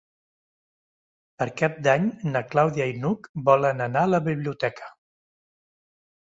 Per Cap d'Any na Clàudia i n'Hug volen anar a la biblioteca.